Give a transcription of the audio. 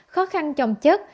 khó khăn chồng chất